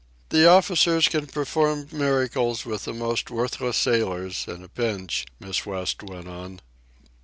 "The officers can perform miracles with the most worthless sailors, in a pinch," Miss West went on.